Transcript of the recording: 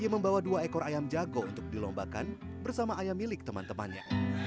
dan membawa dua ekor ayam jago untuk dilombakan bersama ayam milik teman temannya